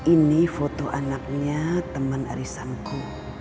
ini foto anaknya teman arisanku